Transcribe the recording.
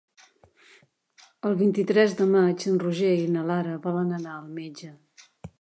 El vint-i-tres de maig en Roger i na Lara volen anar al metge.